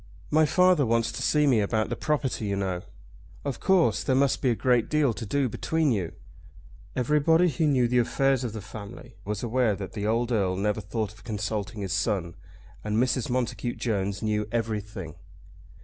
"My father wants to see me about the property, you know." "Of course. There must be a great deal to do between you." Everybody who knew the affairs of the family was aware that the old Earl never thought of consulting his son; and Mrs. Montacute Jones knew everything.